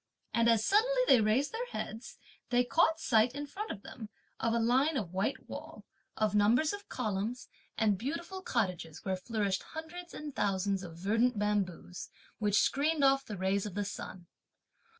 And as suddenly they raised their heads, they caught sight, in front of them, of a line of white wall, of numbers of columns, and beautiful cottages, where flourished hundreds and thousands of verdant bamboos, which screened off the rays of the sun.